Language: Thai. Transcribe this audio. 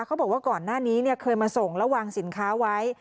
เขาบอกว่าก่อนหน้านี้เคยมาส่งแล้ววางสินค้าไว้